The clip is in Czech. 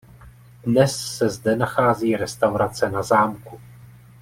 Dnes se zde nachází Restaurace Na zámku.